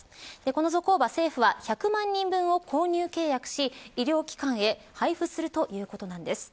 このゾコーバ、政府は１００万人分を購入契約し医療機関へ配布するということなんです。